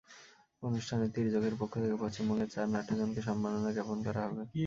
অনুষ্ঠানে তির্যকের পক্ষ থেকে পশ্চিমবঙ্গের চার নাট্যজনকে সম্মাননা জ্ঞাপন করা হবে।